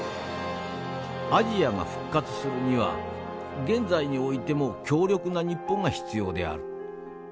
アジアが復活するには現在においても強力な日本が必要である。